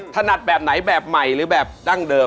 ถนัดแบบไหนแบบใหม่หรือแบบดั้งเดิม